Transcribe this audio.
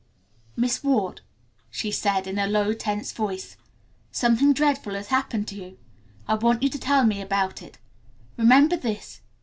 "Miss Ward," she said in a low tense voice, "something dreadful has happened to you. I want you to tell me about it. Remember this.